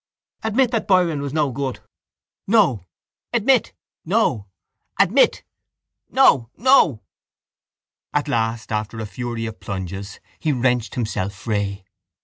—Admit that Byron was no good. —No. —Admit. —No. —Admit. —No. No. At last after a fury of plunges he wrenched himself free.